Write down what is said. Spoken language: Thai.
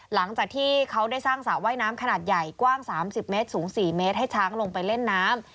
หลังจากที่เขาได้สร้างสระว่ายน้ำขนาดใหญ่กว้าง๓๐เมตรสูง๔เมตรให้ช้างลงไปเล่นน้ำ